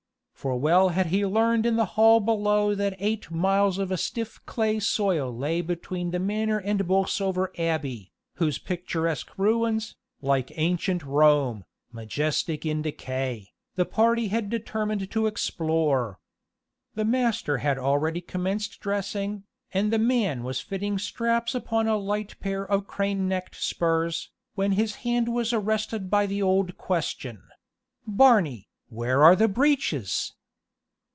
for well had he learned in the hall below that eight miles of a stiff clay soil lay between the manor and Bolsover Abbey, whose picturesque ruins, "Like ancient Rome, majestic in decay," the party had determined to explore. The master had already commenced dressing, and the man was fitting straps upon a light pair of crane necked spurs, when his hand was arrested by the old question "Barney, where are the breeches?"